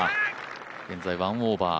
現在１オーバー。